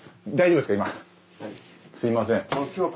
すいません。